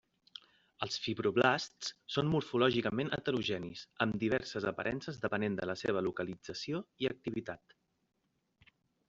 Els fibroblasts són morfològicament heterogenis, amb diverses aparences depenent de la seva localització i activitat.